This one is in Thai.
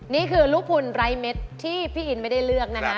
นี่คือลูกพุนไร้เม็ดที่พี่อินไม่ได้เลือกนะคะ